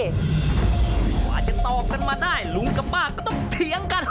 กว่าจะตอบกันมาได้ลุงกับป้าก็ต้องเถียงกัน